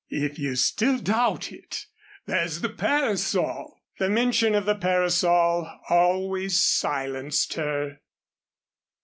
"If you still doubt it, there's the parasol!" The mention of the parasol always silenced her.